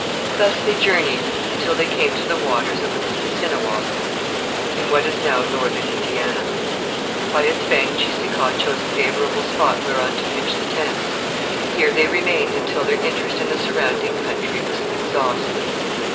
Thus they journeyed until they came to the waters of the Mississinewa, in what is now northern Indiana. By its bank Cheeseekau chose a favourable spot whereon to pitch the tents. Here they remained until their interest in the surrounding country was exhausted.